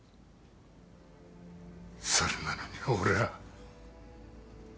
それなのに俺ぁ。